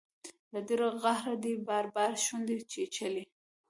له ډیر قهره دې بار بار شونډې چیچلي